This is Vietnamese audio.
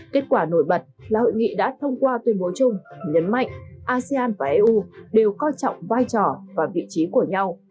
kết quả nổi bật là hội nghị đã thông qua tuyên bố chung nhấn mạnh asean và eu đều coi trọng vai trò và vị trí của nhau